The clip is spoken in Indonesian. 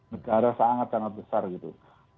negara sangat sangat besar gitu